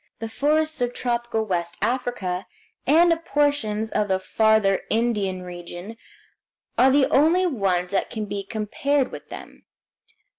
The forests of tropical West Africa, and of portions of the Farther Indian region, are the only ones that can be compared with them.